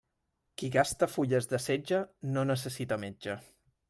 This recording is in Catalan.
Qui gasta fulles de setge no necessita metge.